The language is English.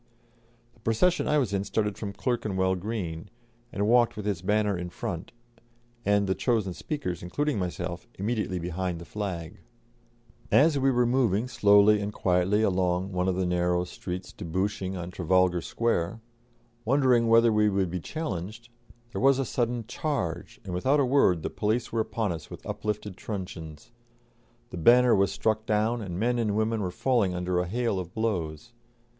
The procession I was in started from Clerkenwell Green, and walked with its banner in front, and the chosen speakers, including myself, immediately behind the flag. As we were moving slowly and quietly along one of the narrow streets debouching on Trafalgar Square, wondering whether we should be challenged, there was a sudden charge, and without a word the police were upon us with uplifted truncheons; the banner was struck down, and men and women were falling under a hail of blows.